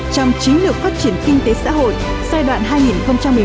trong chính lược phát triển kinh tế xã hội giai đoạn hai nghìn hai mươi một hai nghìn hai mươi